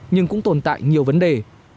nhưng cũng tồn tại nhiều vấn đề